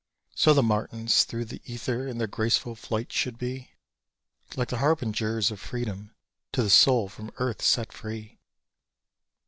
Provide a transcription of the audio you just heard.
So the martins through the ether in their graceful flight should be Like the harbingers of freedom to the soul from earth set free!